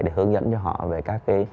để hướng dẫn cho họ về các cái